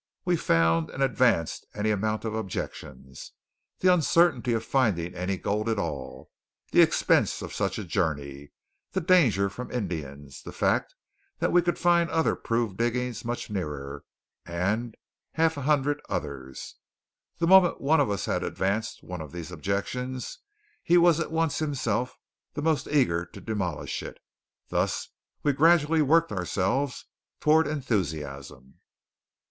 We found, and advanced any amount of objections the uncertainty of finding any gold at all, the expense of such a journey, the danger from Indians, the fact that we could find other proved diggings much nearer, and a half hundred others. The moment one of us had advanced one of these objections he was at once himself the most eager to demolish it. Thus we gradually worked ourselves toward enthusiasm.